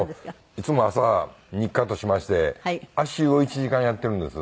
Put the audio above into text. いつも朝日課としまして足湯を１時間やっているんです。